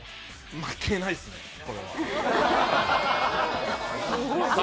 負けないですね、これは。